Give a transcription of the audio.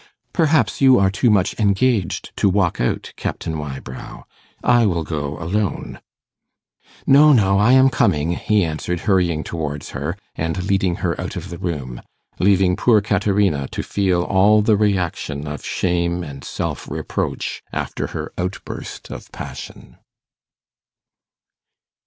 'Perhaps you are too much engaged to walk out, Captain Wybrow? I will go alone.' 'No, no, I am coming,' he answered, hurrying towards her, and leading her out of the room; leaving poor Caterina to feel all the reaction of shame and self reproach after her outburst of passion.